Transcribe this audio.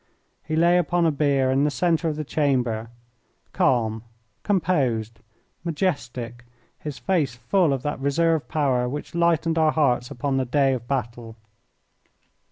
He lay upon a bier in the centre of the chamber, calm, composed, majestic, his face full of that reserve power which lightened our hearts upon the day of battle.